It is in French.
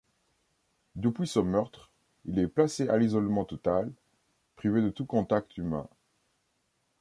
Depuis ce meurtre, il est placé à l'isolement total, privé de tout contact humain.